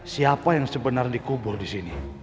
siapa yang sebenarnya dikubur di sini